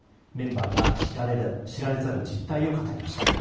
メンバーが知られざる実態を語りました。